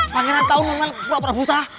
pangeran tau ngomel ngomel pura pura buta